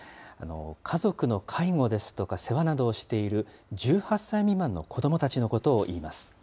家族の介護ですとか、世話などをしている、１８歳未満の子どもたちのことをいいます。